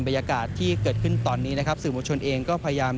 บรรยากาศที่เกิดขึ้นตอนนี้นะครับสื่อมวลชนเองก็พยายาม